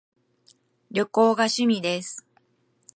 旅行が趣味です